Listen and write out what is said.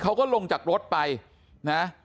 เขาก็ลงจากรถไปนะ